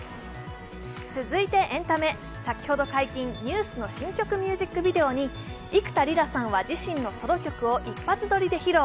続いてエンタメ先ほど解禁、ＮＥＷＳの新曲ミュージックビデオに幾田りらさんは自身のソロ曲を一発撮りで披露。